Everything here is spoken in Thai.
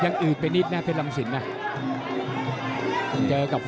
ร้งรวมจิตไม่ผิดนะ